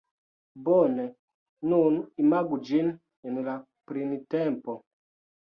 Bone, nun imagu ĝin en la printempo.